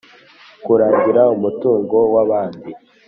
kuragira umutungo w’abandi,